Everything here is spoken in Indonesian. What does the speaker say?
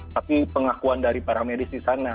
tapi pengakuan dari para medis di sana